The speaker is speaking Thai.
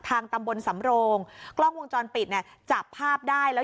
ตำบลสำโรงกล้องวงจรปิดเนี่ยจับภาพได้แล้ว